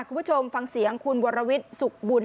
คุณผู้ชมฟังเสียงคุณวรวิทย์สุขบุญ